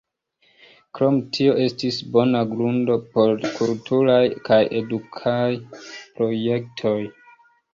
Krom tio estis bona grundo por kulturaj kaj edukaj projektoj.